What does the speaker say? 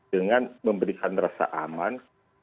dengan memberikan rasa aman